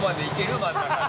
真ん中で。